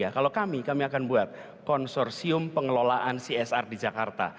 kalau kami kami akan buat konsorsium pengelolaan csr di jakarta